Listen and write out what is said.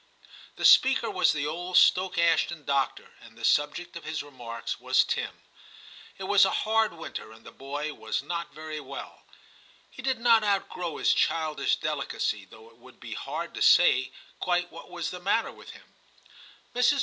The speaker was the old Stoke Ashton doctor, and the subject of his remarks was Tim. It was a hard winter, and the boy was not very well. He did not outgrow his childish delicacy, though it would be hard to say quite what was the matter 238 TIM CHAP. with him. Mrs.